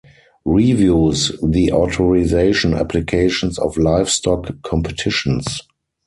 Reviews the authorization applications of livestock competitions.